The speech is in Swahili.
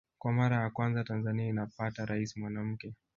Kwa mara ya kwanza Tanzania inapata Rais mwanamke